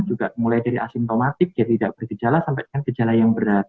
juga mulai dari asimptomatik jadi tidak bergejala sampai dengan gejala yang berat